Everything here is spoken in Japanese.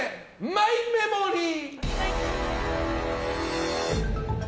マイメモリー！